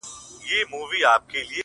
زما له زړه یې جوړه کړې خېلخانه ده;